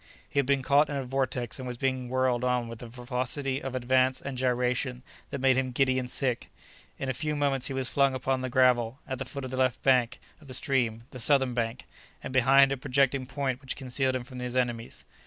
He had been caught in a vortex and was being whirled on with a velocity of advance and gyration that made him giddy and sick. In few moments he was flung upon the gravel at the foot of the left bank of the stream—the southern bank—and behind a projecting point which concealed him from his enemies.